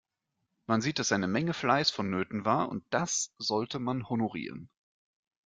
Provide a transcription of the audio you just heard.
Man sieht, dass eine Menge Fleiß vonnöten war, und das sollte man honorieren.